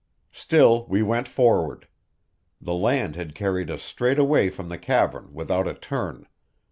Still we went forward. The land had carried us straight away from the cavern, without a turn.